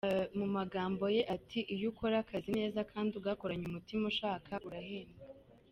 Mu magambo ye ati: "Iyo ukora akazi neza kandi ugakoranye Umutima ushaka, urahembwa.